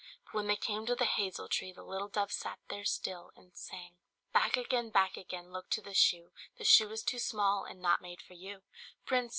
But when they came to the hazel tree the little dove sat there still, and sang "Back again! back again! look to the shoe! The shoe is too small, and not made for you! Prince!